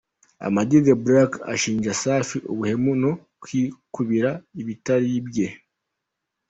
Ama-G The Black ashinja Safi ubuhemu no kwikubira ibitari ibye.